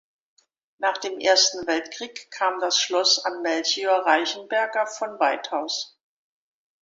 Nach dem Ersten Weltkrieg kam das Schloss an Melchior Reichenberger von Waidhaus.